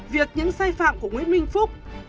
việc những sai phạm của nguyễn minh phúc